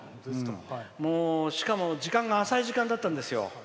もう、しかも時間が浅い時間だったんですよ。